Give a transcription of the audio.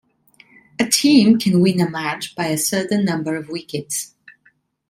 A team can win a match by a certain number of wickets.